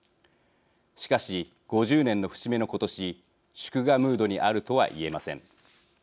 しかし、５０年の節目の今年祝賀ムードにあるとは言えません。